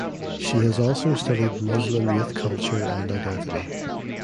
She has also studied Muslim youth culture and identity.